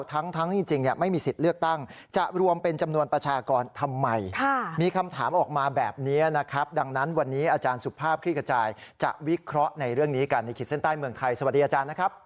ทั้งจริงไม่มีสิทธิ์เลือกตั้งจะรวมเป็นจำนวนประชากรทำไมมีคำถามออกมาแบบนี้นะครับดังนั้นวันนี้อาจารย์สุภาพคลิกระจายจะวิเคราะห์ในเรื่องนี้กันในขีดเส้นใต้เมืองไทยสวัสดีอาจารย์นะครับ